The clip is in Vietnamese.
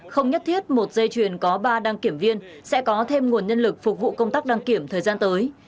không nhất thiết một dây chuyền có ba đăng kiểm viên sẽ có thêm nguồn nhân lực phục vụ công tác đăng kiểm thời gian tới